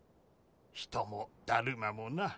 人もだるまもな。